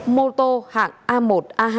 mô tô hạng a một a hai